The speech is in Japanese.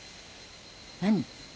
何？